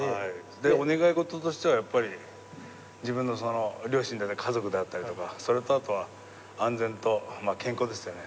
でお願い事としてはやっぱり自分の両親だったり家族だったりとかそれとあとは安全と健康ですよね。